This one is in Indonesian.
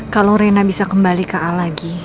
kalau rena bisa kembali ke a lagi